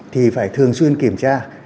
thì phải thường xuyên kiểm tra